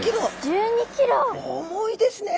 重いですね。